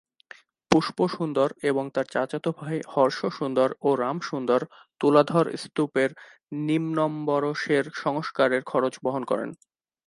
পুষ্প সুন্দর এবং তার চাচাত ভাই হর্ষ সুন্দর ও রাম সুন্দর তুলাধর স্তূপের নিম্নম্বরশের সংস্কারের খরচ বহন করেন।